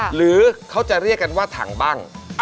หรือเขาจะเรียกกันว่าถังบ้าง